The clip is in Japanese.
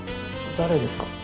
誰ですか？